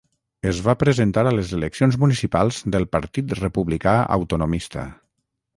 Es va presentar a les eleccions municipals pel Partit Republicà Autonomista.